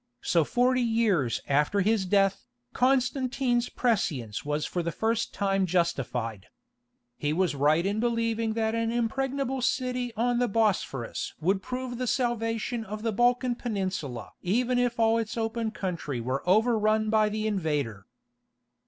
So forty years after his death, Constantine's prescience was for the first time justified. He was right in believing that an impregnable city on the Bosphorus would prove the salvation of the Balkan Peninsula even if all its open country were overrun by the invader.